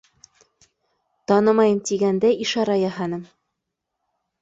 Танымайым тигәндәй ишара яһаным.